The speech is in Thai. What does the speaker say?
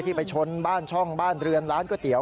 ไปชนบ้านช่องบ้านเรือนร้านก๋วยเตี๋ย